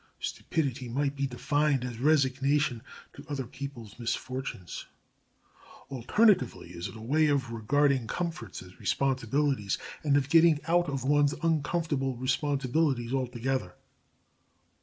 Stupidity might be defined as resignation to other people's misfortunes. Alternatively, it is a way of regarding comforts as responsibilities and of getting out of one's uncomfortable responsibilities altogether.